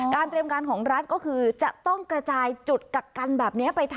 เตรียมการของรัฐก็คือจะต้องกระจายจุดกักกันแบบนี้ไปทัน